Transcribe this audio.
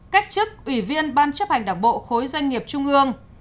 cách chức ủy viên ban chấp hành đảng bộ khối doanh nghiệp trung ương